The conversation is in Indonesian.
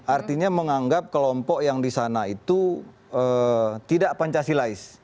artinya menganggap kelompok yang di sana itu tidak pancasilais